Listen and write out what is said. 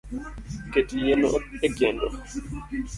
Ket yien ekendo